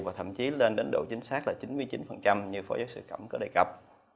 và thậm chí lên đến độ chính xác là chín mươi chín như phó giáo sư cẩm có đề cập